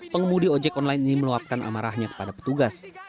pengemudi ojek online ini meluapkan amarahnya kepada petugas